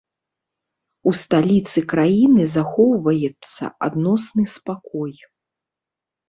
У сталіцы краіны захоўваецца адносны спакой.